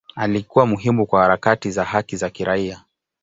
Alikuwa muhimu kwa harakati za haki za kiraia.